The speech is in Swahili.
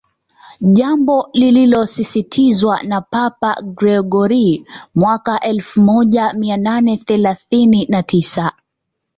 jambo lililosisitizwa na Papa Gregori mwaka elfu moja mia nane thelathini na tisa